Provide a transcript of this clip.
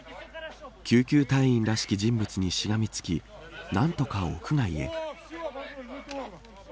救急隊員らしき人物にしがみつき何とか屋外へ。